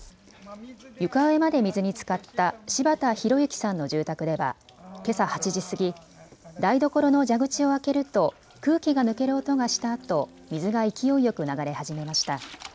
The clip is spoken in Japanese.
床上まで水につかった柴田浩之さんの住宅ではけさ８時過ぎ、台所の蛇口を開けると空気が抜ける音がしたあと水が勢いよく流れ始めました。